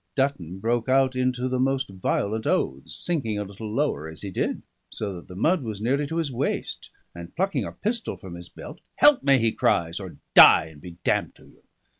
Dutton broke out into the most violent oaths, sinking a little lower as he did, so that the mud was nearly to his waist, and plucking a pistol from his belt, "Help me," he cries, "or die and be damned to you!"